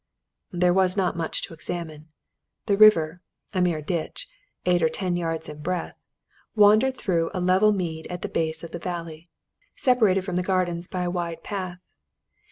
There was not much to examine. The river, a mere ditch, eight or ten yards in breadth, wandered through a level mead at the base of the valley, separated from the gardens by a wide path.